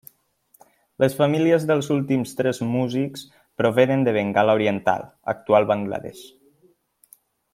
Les famílies dels últims tres músics provenen de Bengala Oriental, actual Bangla Desh.